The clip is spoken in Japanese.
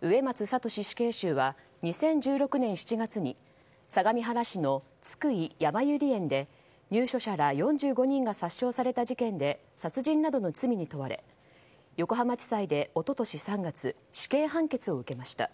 植松聖死刑囚は２０１６年７月に相模原市の津久井やまゆり園で入所者ら４５人が殺傷された事件で殺人などの罪に問われ横浜地裁で一昨年３月死刑判決を受けました。